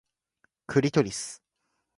クリトリス